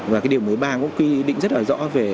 và cái điều mới ba cũng quy định rất là rõ về